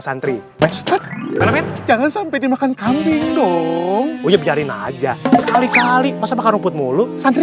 santri jangan sampai dimakan kambing dong ucap nyariin aja kali kali maka rumput mulu santri